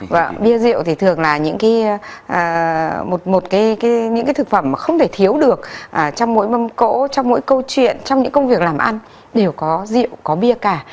và bia rượu thì thường là những cái một một cái những cái thực phẩm mà không thể thiếu được trong mỗi mâm cỗ trong mỗi câu chuyện trong những công việc làm ăn đều có rượu có bia cả